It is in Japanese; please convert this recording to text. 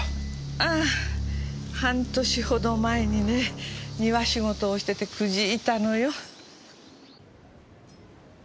ああ半年ほど前にね庭仕事をしててくじいたのよ。